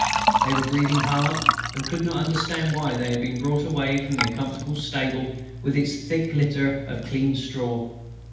They were breathing hard and could not understand why they had been brought away from their comfortable stable with its thick litter of clean straw.